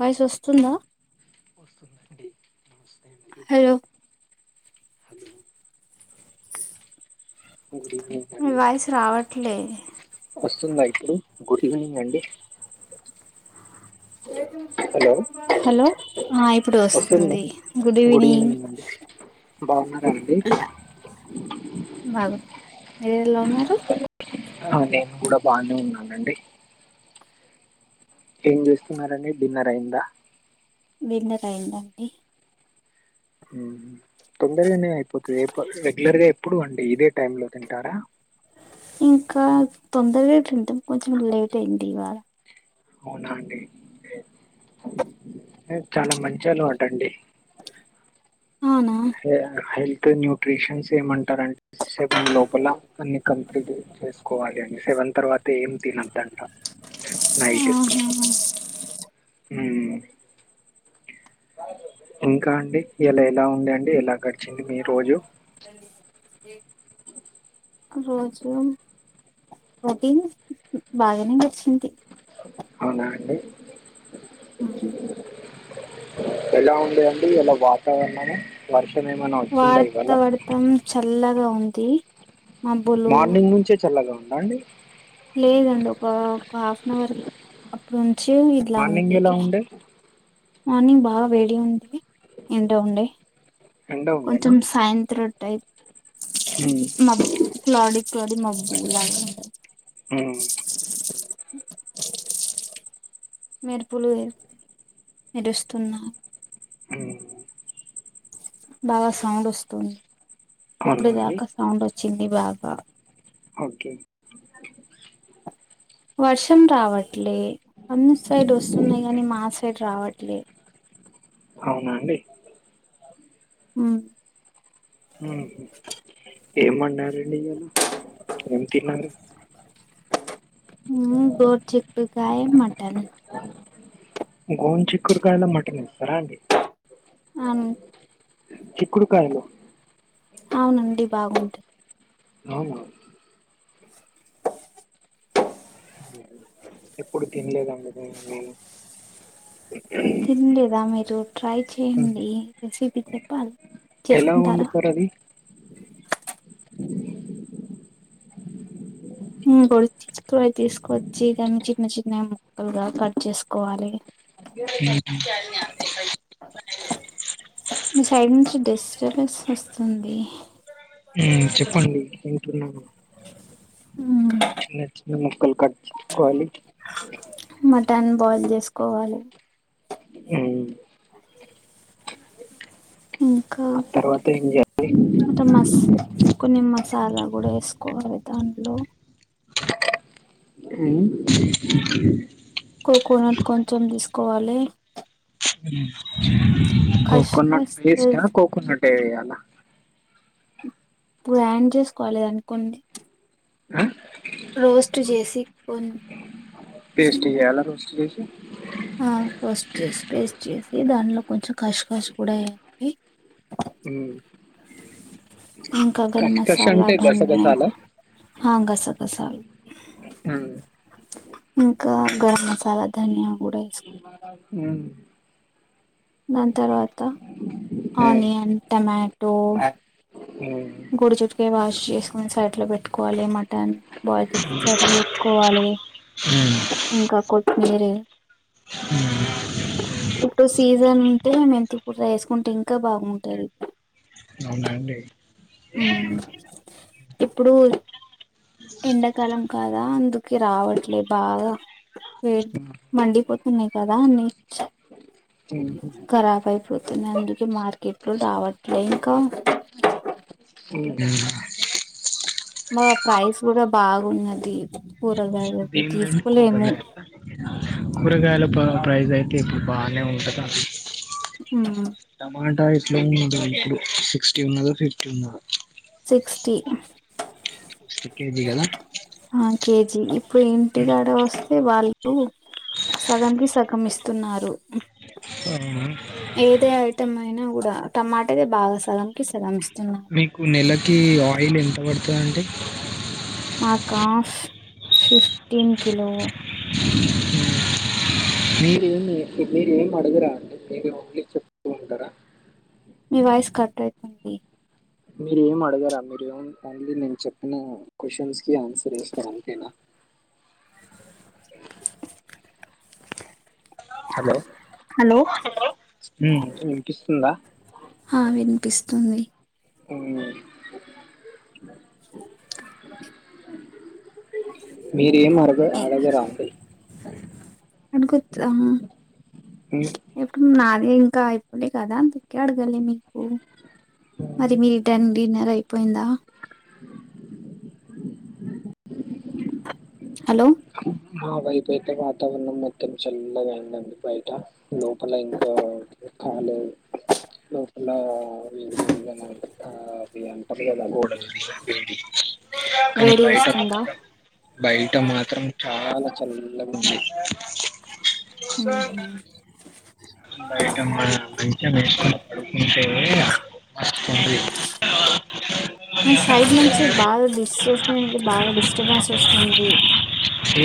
Voice వస్తుందా ందండి నమస్తే అండి హలో హలో గుడ్ ఈవినింగ్ మీ అండి వాయిస్ రావట్లే వస్తుందా ఇప్పుడు గుడ్ ఈవెనింగ్ అండి హలో హలో ఇప్పుడు ఆ వస్తుందా వస్తుంది గుడ్ ఈవినింగ్ బాగున్నారండి బాగున్నా మీరు ఎలా ఉన్నారు ఆ నేను కూడా బానే ఉన్నానండి ఏం చేస్తున్నారండి డిన్నర్ అయిందా విన్నరయింద అండి హ్మ్ తొందరగానే అయిపోతది రెగ్యులర్ గా ఎప్పుడు అండి ఇదే టైం లో తింటారా ఇంకా తొందరగే తింటాం కొంచం లేట్ అయింది ఇవాళ అవునండి ఓకే ఎ చాలా మంచి అలవాటు అండి అవునా ఎ హాయిల్ న్యూట్రిషన్స్ ఏమంటారం సెవెన్ లోపల అన్ని కంప్లీట్ చేసుకోవాలి అండి సెవెన్ దన్ తర్వాత ఏం తినొద్దు అంట ఆహా హా హ్మ్ ఇంకా అండి ఇయలా ఎలా ఉంది అండి ఎలా గడిచింది మీ రోజు తెలి రోజు రొటీన్ బాగానే గడిచింది అవునా అండి హ ఎలా ఉండేది అండి ఇయలా వాతావరణము వర్ష వార్త వర్తం చల్లగా ఉంది మబ్బులు మార్నింగ్ నుంచే చల్లగా ఉందా అండి లేదండి ఒక ఒక హాఫ్ అన్ అవర్ అప్పుడుంచి ఇట్లా మార్నింగ్ ఉంది ఎలా ఉండే? మార్నింగ్ బా వేడి ఉంది ఇంటో ఉండి ఎండ ఉండేనా? కొంచెం సాయంత్రం టయి హ్మ్. మబ్ క్లౌడిీ క్లౌడి మబ్బులా హ్మ్. మెరుపులుు మెరుస్తున్న్నాయ్ అ బాగా సౌండ్ వస్తుంది అవునా ఇప్పుడు అండి? దాకా సౌండ్ వ వచ్చింది బాగ ఓకే వర్షం రావట్లే అన్ని సైడ్ వస్తున్నాయి కాని మా సైడ్ రావట్లే అవునా అండి ఉమ్ ఏమ్ వండారండి ఇలా ఏం తిన్నారు ఉ గోర్ చిక్కుడుకాయ మటన్ గోర్ చిక్కురుకాయలా మటన్ చేస్తరా అండి అవున్ చిక్కుడుకాయలో అవునండి బాగుంటుంది అవున ఎప్పుడు తినలేదండి నేను తిన్లేదా మీరు ట్రై హ్మ్. చేయండి రెసిపీ చెప్పాలి ఎలా చేసుకుంటారా వండుతారు అది గోరు చిక్కుడు తీసుకొచ్చి దాన్ని చిన్న చిన్న ముక్కలుగా కట్ చేసుకోవాలి ఉమ్ మీ సైడ్ నుంచి డిస్టబెన్స్ వస్తుంది ఉమ్ చెప్పండి వింటున్నాను చిన్న చిన్న ముక్కలు కట్ చేసుకోవాలి టన్ బాయిల్ చేసుకోవాలి ఉ ఇంక ఆ తర్వాత ఏం చేయాలి అంటే మస్ కొన్ని మసాలా కూడ వేసుకోవాలె దాంట్లో ఉయ్ కొకొనట్ కొంచెం తీసుకోవాలి కష్ కోకోనట్ పేస్ట కోకోనట్ ఏ యాల ఇప్పుడు యాడ్ చేసుకోవాలె అనుకోండి అ రోస్ట్ చేసి కొన్ ద్య ఆ రోస్ట్ చేసి పేస్ట్ చేసి దానిలో కొంచెం కష్ కష్ కూడ వేయండి మ్మ్ ఇంక గరం కష్కష మసాల అంటే ధనియ గసగసాలా గసగసాలు ఉ ఇంక గరం మసాల ధన్య మ్ దాన్ తర్వాత మ్మ్ ఆనియన్ టమాటో మ్మ్ గుడి చుట్టుకే వాష్ చేసుకొని సైడ్ లో పెట్టుకోవాలి మాటన్ బాచే తీస్ సైడ్ లో పెట్టుకోవాలి మ్మ్ మ్మ్ ఇంకా కోతి మీర్ పుట్టు సీజన్ టే మెంతీ కూర చేసుంటే ఇంకా బాగుంటది. అవునా అండి ఊ ఇప్పుడు ఎండాకాలం కదా అందుకే రావట్లే బాగా వే మండిపో ఉన్నాయ్ కదా అని చా ఉ కరాబ్ అయిపోతుంది అందుకే మార్కెట్లో రావట్లేదు ఇంకా [unintelligible] మా ప్రైస్ కూడా బాగున్నది కూరగాయలది భీం లేండి తీసుకోలేము కూరగాయల కూరగాయల పా ప్రైస్ అయితే ఇప్పుడు బానే ఉంటద ఉమ్ టమోటా అయి లో ఇప్పుడు సిక్స్టీ ఉన్నదా ఫిఫ్టీ ఉన్నదా సిక్స్టీ ఒక కేజీ కదా ఆ కేజీ ఇప్పుడు ఇంటికాడ వస్ అంటే వాళ్లకు సగం కి సగం ఇస్తున్నారు అవునా ఏదే ఐటమ్ అయినా కూడా టమోటా అయితే బాగా సగం కి సగం ఇస్ మీకు నెలకి ఆయిల్ ఎంత పడుతది అండి మాకా ఫిఫ్ ఫిఫ్టీన్ కిలో మీరేమి మీరేమి అడుగురా అండి [unintelligible] చెప్తూ ఉంటారా మీ వాయిస్ కట్ అయితుంది మీరు ఏం అడగారా మీరు ఏం ఓన్లీ నేను చెప్పిన క్వ్చన్స్ కి ఆన్సర్ ఇస్తారా అంతేనా హలో హలో ఊ వినిపిస్తుందా హా వినిపిస్తుంది ఉ మీరేం అరగర అడిగారా అంటి ఎన్ కొత్త ఏప్పుడు నా ఇంకా అయిపోలే కదా అందుకే అడగాలే మీకు అదే మీ టెన్ డిన్నర్ అయిపోయిందా హలో మా వైపు అయితే వాతావరణం మొత్తం చల్లగా ఉంది అండి బయట లోపల ఇంకా కాలే లోపల వేడి వేడిగా [unintelligible] అవి అంటారు కదా కానీ వేడిగ బయట వస్తుందా మాత్రం బయట మాత్రం చాలా చల్లగా ఉంది ఉహు బయట మాత్రం మంచం వేసుకోని పడుకుంటే మస్త్ ఉంది మీ సైడ్ నుంచి బాగా డిస్ట్రెస్ అది బాగా డిస్టర్బెన్స్ వస్తుంది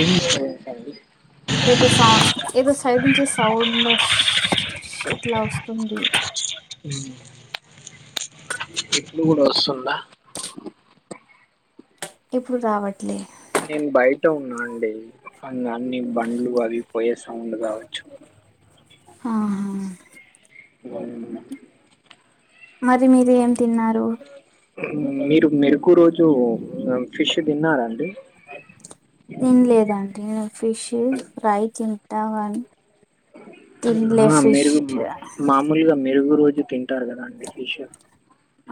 ఏ మిస్ ఏదో సౌ ఏదో సైడ్ నుంచి సౌండ్ వస్ ఇట్లా వస్తుంది ఉ అ ఇప్పుడు కూడా వస్తుందా ఇప్పుడు రావట్లే నేను బయట ఉన్నా అండి అ అన్ని బండ్లు అవి ఇవి పోయే సౌండ్ కావచ్చు అహా ఉం మరి మీరు ఏం తిన్నారు మీరు మెరుకు రోజు ఫిష్ తిన్నారండి తినలేదండి నేను ఫిష్ ఫ్రై తింటా కానీ తినలే ఆ ఫిష్ మెరుగు మామూలుగా మెరుగు రోజు తింటారు కదా అండి ఫిష్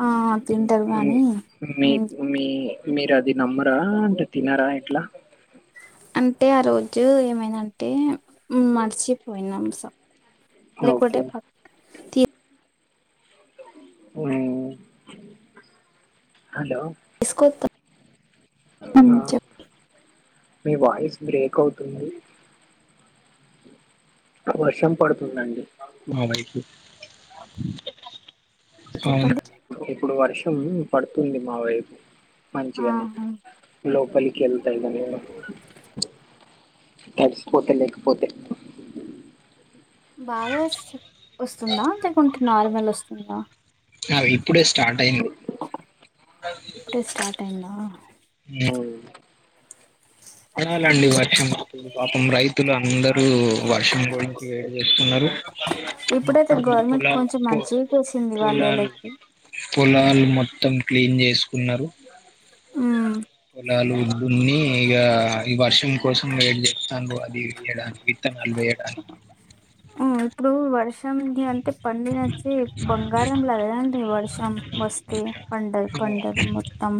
ఆ తింటారు కానీ ఉమ్, మీకు మీ మీరు అది నమ్మరా అంటే తినరా ఎట్లా అంటే ఆ రోజు ఏమైందంటే మర్చిపోయినాం లేకుంటే ఓకే పక్క ఉమ్ హలో తీసుకొస్తా మీ వాయిస్ బ్రేక్ అవుతుంది వర్షం పడుతుందండి మా వైపు అవునా చెప్పండి ఇప్పుడు వర్షం పడుతుంది మా వైపు మంచిగానే ఆహా లోపలికెళ్తా ఇగ నేను తడిసిపోతా లేకపోతే బాగా వస్తుందా లేకుంటే నార్మల్ వస్తుందా అది ఇప్పుడే స్టార్ట్ అయింది ఇప్పుడే స్టార్ట్ అయిందా ఉ పడాలండి వర్షం పాపం రైతులు అందరు ఇప్పుడు వర్షం పోయి వేసుకున్నారు మొత్తం పొలాలు ప్పు చింది వాళ్ళళకి పొలాలు మొత్తం క్లీన్ చేసుకున్నారు ఉమ్ పొలాలు దున్ని ఇగ ఈ వర్షం కోసం వెయిట్ చేతాన్లు అది వేయడానికి విత్తనాలు వేయడానికి ప్రషంధ అంతే పండినచ్చి బంగారం లాగదండి వర్షం వస్తే పండలు పంటలు మొత్త తమ్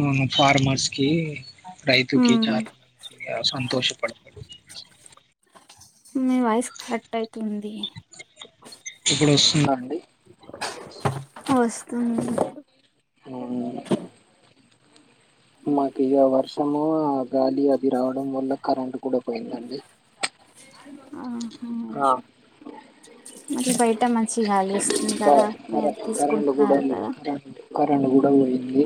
ఉమ్ ఫార్మర్స్కి రైతుకి ఉమ్ చాలా మంచిగా సంతోషపడతడు మీ వాయిస్ కట్ అవుతుంది ఇప్పుడు వస్తుందండి వస్తుంది అ మాకు ఇక వర్షము ఆ గాలి అది రావడం వల్ల కరెంట్ కూడా పోయిందండి అహా ఆ మరి బైట మంచి గాలి వస్తుంది క కదా అద్ తీసుకుంట్నారు కదా కరెండు గూడా బొయింది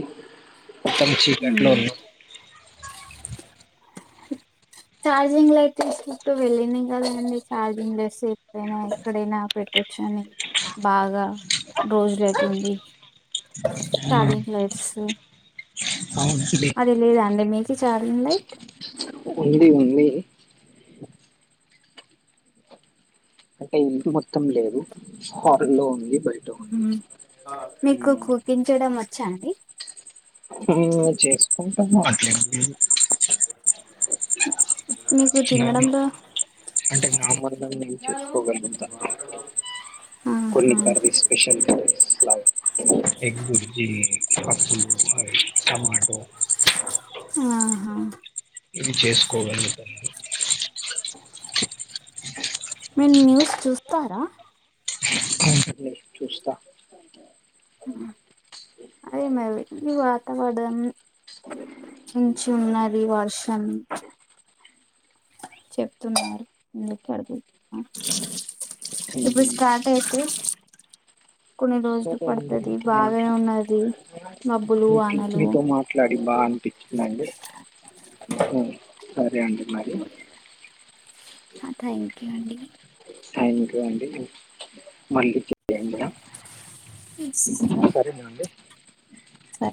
మొత్తం చీకట్లో ఉమ్ ఉన్నా ఛార్జింగ్ లో అయితే సిఫ్టు వెళ్ళినం గదండి చార్జింగ్ చేస్తే ఎప్పుడైనా ఎక్కడైనా పెట్టొచ్చని బాగా రోజులెట్లుంది చార్జింగ్ లైట్స్ అది లేదాండి మీకు ఛార్జింగ్ లైట్ ఉంది ఉంది అంటే ఇంటి మొత్తం లేదు హార్రుల్లో ఉంది బయట ఉంది మీకు కుకింగ్ చేయడం వచ్చా అండి చేసుకుంటాము అట్లేం లేదు మీకు నావి తినడంలో అంటే నా మరదల్ నేన్ చేసుకోగలుగుతా కొన్ని ఆహా కర్రీస్ స్పెషల్ కర్రీస్ లాగ ఎగ్ బుర్జి పప్పులు అయ్ టమాటో ఆహా ఇవి చేసుకోగలుగుతా మీన్ న్యూస్ చూస్తారా చూస్తా అదే మరి ఈ వాతవదం కొంచుం నది వర్షం చెప్తున్నారు ఎందుకెడుదు ఇప్పుడు ఉమ్, స్టార్ట్ అయితే కొన్ని రోజులు పడుతుది బాగనే ఉన్నది మబ్బులు వానలు చిట్టీతో మాట్లాడి బా అనిపిచ్చిందండి సరే అండి మరి థ్యాంక్ యూ అండి థాంక్యూ అండి మళ్ళీ [inaudible] సరేనా అండి సర స